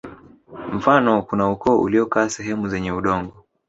Mfano kuna ukoo uliokaa sehemu zenye udongo